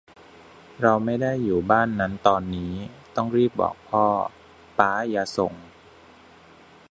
เราไม่ได้อยู่บ้านนั้นตอนนี้ ต้องรีบบอกพ่อ ป๊าอย่าส่ง